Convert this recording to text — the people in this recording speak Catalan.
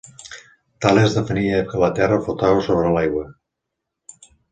Tales defenia que la terra flotava sobre l'aigua.